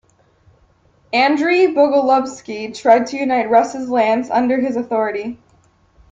Andrey Bogolyubsky tried to unite Rus' lands under his authority.